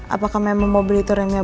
apakah memang mobil itu remnya belum